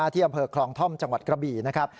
ที่อำเภอคลองท่อมจังหวัดกระบี่นะครับ